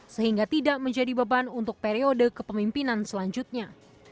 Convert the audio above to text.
sehingga tidak menjadi beban untuk periode kepemimpinan selanjutnya